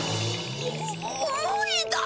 お重いだ。